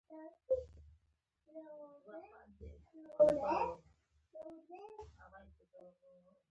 چرګان د افغانستان د بڼوالۍ برخه ده.